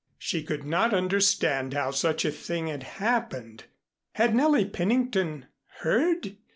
She could not understand how such a thing had happened. Had Nellie Pennington heard?